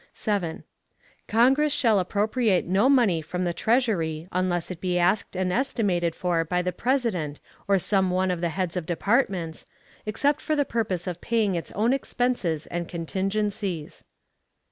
7. Congress shall appropriate no money from the Treasury unless it be asked and estimated for by the President or some one of the heads of departments, except for the purpose of paying its own expenses and contingencies.